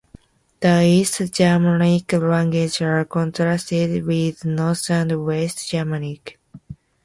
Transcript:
The East Germanic languages are contrasted with North and West Germanic.